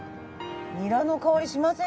ニラの香りしませんよ。